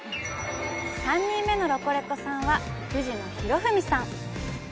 ３人目のロコレコさんは、藤野博文さん。